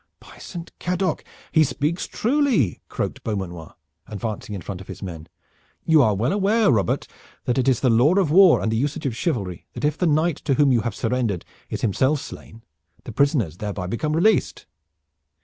"By Saint Cadoc! he speaks truly," croaked Beaumanoir, advancing in front of his men. "You are well aware, Robert, that it is the law of war and the usage of chivalry that if the knight to whom you have surrendered is himself slain the prisoners thereby become released."